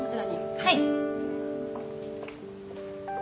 はい。